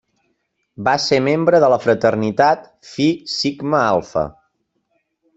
Va ser membre de la Fraternitat Fi Sigma Alfa.